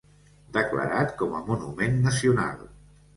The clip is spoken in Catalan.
Declarat com a Monument Nacional.